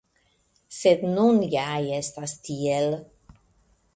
Sed nun ja estas tiel.